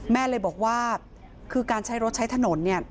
แม่เลยบอกว่าคือการใช้รถใช้ถนนเนี่ย